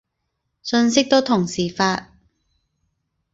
信息都同時發